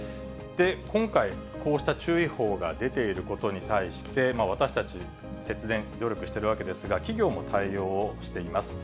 今回、こうした注意報が出ていることに対して、私たち節電、努力しているわけですが、企業も対応をしています。